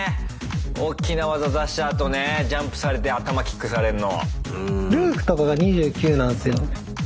おっきな技出したあとねジャンプされて頭キックされんの。